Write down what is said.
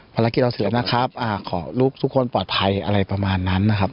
ภารกิจเราเสียนะครับขอลูกทุกคนปลอดภัยอะไรประมาณนั้นนะครับ